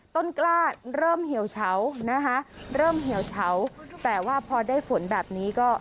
กล้าเริ่มเหี่ยวเฉานะคะเริ่มเหี่ยวเฉาแต่ว่าพอได้ฝนแบบนี้ก็